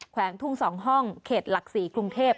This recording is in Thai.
วงทุ่ง๒ห้องเขตหลัก๔กรุงเทพ